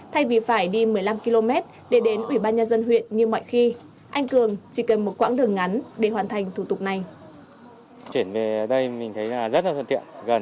thay vì phải đi một mươi năm km để đến ủy ban nhân dân huyện như mọi khi